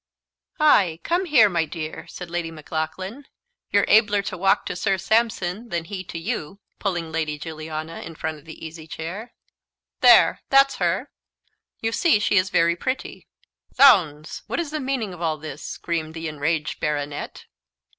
"Ay, come here, my dear," said Lady Maclaughlan; "you're abler to walk to Sir Sampson than he to you," pulling Lady Juliana in front of the easy chair; "there that's her; you see she is very pretty." "Zounds, what is the meaning of all this?" screamed the enraged baronet.